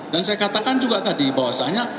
dan saya katakan juga tadi bahwasannya